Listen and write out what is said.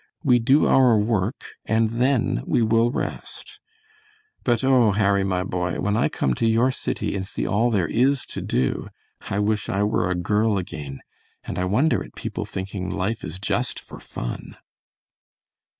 We do our work and then we will rest. But oh, Harry, my boy, when I come to your city and see all there is to do, I wish I were a girl again, and I wonder at people thinking life is just for fun."